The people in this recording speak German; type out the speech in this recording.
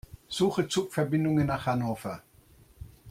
Suche Zugverbindungen nach Hannover.